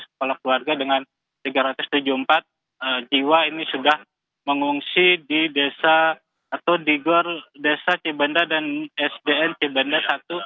kepala keluarga dengan tiga ratus tujuh puluh empat jiwa ini sudah mengungsi di desa atau di gor desa cibanda dan sdn cibanda satu